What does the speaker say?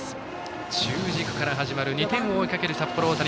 中軸から始まる２点を追いかける札幌大谷。